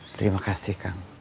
terima kasih kang